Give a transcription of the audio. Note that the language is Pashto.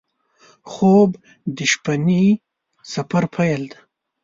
خوب د شپهني سفر پیل دی